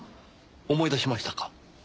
思い出しましたか？